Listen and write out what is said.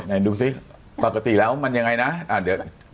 ไหนดูสิปกติแล้วมันยังไงนะเดี๋ยว